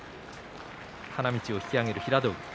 花道を引き揚げる平戸海。